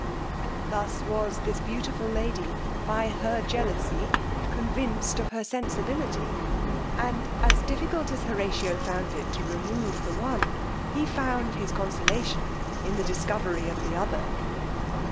Thus was this beautiful lady, by her jealousy, convinced of her sensibility; and as difficult as Horatio found it to remove the one, he found his consolation in the discovery of the other.